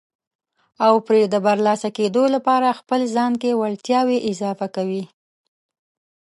او پرې د برلاسه کېدو لپاره خپل ځان کې وړتیاوې اضافه کوي.